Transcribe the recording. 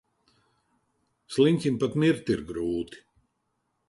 Sliņķim pat mirt ir grūti.